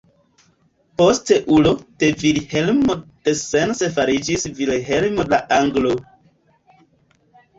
Posteulo de Vilhelmo de Sens fariĝis Vilhelmo la Anglo.